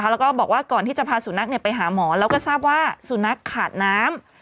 แล้วก็บอกว่าก่อนที่จะพาสุนัขไปหาหมอแล้วก็ทราบว่าสุนัขขาดน้ำ